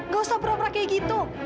gak usah pura pura kayak gitu